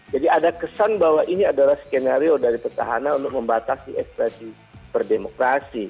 jadi ada kesan bahwa ini adalah skenario dari petahana untuk membatasi ekspresi berdemokrasi